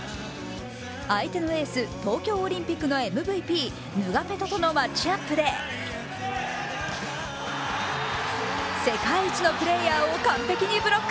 相手のエース、東京オリンピックのＭＶＰ、ヌガペトとのマッチアップで世界一のプレーヤーを完璧にブロック。